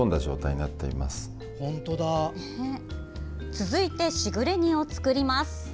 続いてしぐれ煮を作ります。